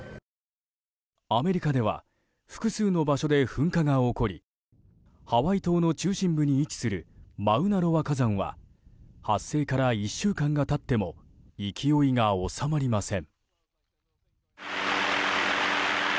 アメリカでは複数の場所で噴火が起こりハワイ島の中心部に位置するマウナロア火山は発生から１週間が経っても勢いが収まりません。